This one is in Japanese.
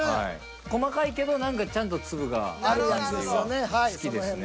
細かいけど何かちゃんと粒がある感じが好きですね。